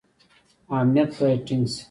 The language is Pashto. امنیت باید ټینګ شي